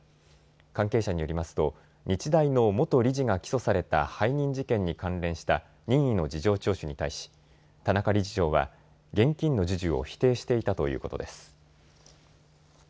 関係者によりますと日大の元理事が起訴された背任事件に関連した任意の事情聴取に対し田中理事長は現金の授受を否定していたということです。